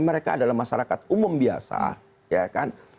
mereka adalah masyarakat umum biasa ya kan